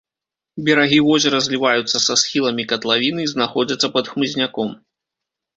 Берагі возера зліваюцца са схіламі катлавіны і знаходзяцца пад хмызняком.